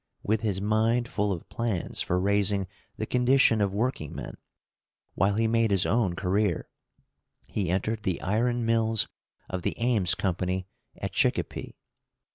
With his mind full of plans for raising the condition of workingmen while he made his own career, he entered the iron mills of the Ames Company, at Chicopee.